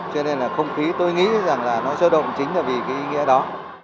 cho nên là không khí tôi nghĩ rằng là nó sôi động chính là vì cái ý nghĩa đó